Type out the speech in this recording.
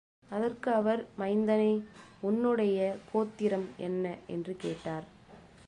அதற்கு அவர், மைந்தனே, உன்னுடைய கோத்திரம் என்ன? என்று கேட்டார்.